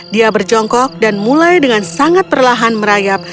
dia berjongkok dan mulai dengan sangat perlahan merayap